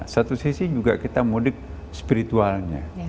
satu sisi juga kita mudik spiritualnya